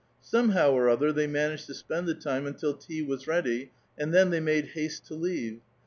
Somehow or other they managed to spend the time until tea was ready, and then they made haste to leave.